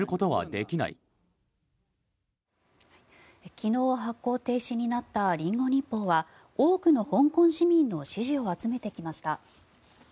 昨日、発行停止になったリンゴ日報は多くの香港市民の支持を集めてきました。